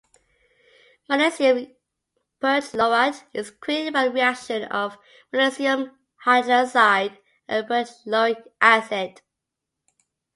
Magnesium perchlorate is created by the reaction of magnesium hydroxide and perchloric acid.